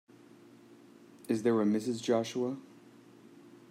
Is there a Mrs. Joshua?